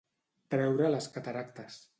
Treure les cataractes.